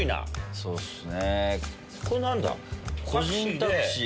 そうっすね。